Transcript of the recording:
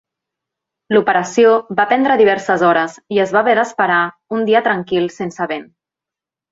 L'operació va prendre diverses hores i es va haver d'esperar un dia tranquil sense vent.